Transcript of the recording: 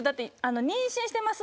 妊娠しています